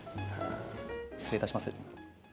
失礼いたします。